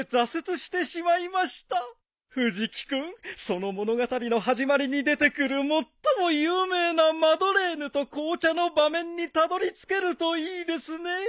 藤木君その物語の始まりに出てくる最も有名なマドレーヌと紅茶の場面にたどりつけるといいですね。